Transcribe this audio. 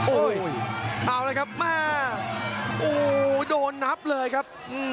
โอ้ยเอาแล้วครับโอ้โหโดนนับเลยครับ